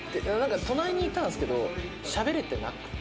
隣にいたんですけどしゃべれてなくて。